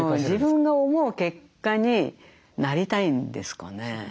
自分が思う結果になりたいんですかね。